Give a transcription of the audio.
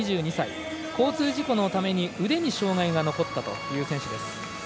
交通事故のために腕に障がいが残ったという選手。